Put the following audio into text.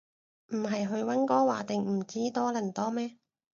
唔係去溫哥華定唔知多倫多咩